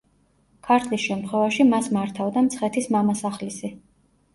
ქართლის შემთხვევაში მას მართავდა მცხეთის მამასახლისი.